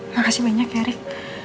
makasih banyak ya rick